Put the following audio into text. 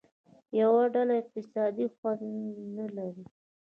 یوه ډله اقتصادي خوند نه لري.